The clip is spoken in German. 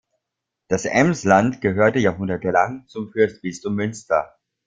Das Emsland gehörte jahrhundertelang zum Fürstbistum Münster.